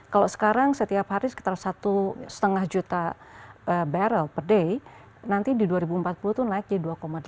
kalau sekarang setiap hari sekitar satu lima juta barrel per day nanti di dua ribu empat puluh itu naik jadi dua delapan